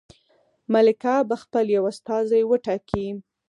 ملکه به خپل یو استازی وټاکي.